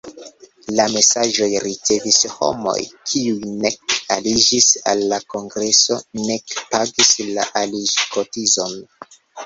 La mesaĝojn ricevis homoj, kiuj nek aliĝis al la kongreso nek pagis la aliĝkotizon.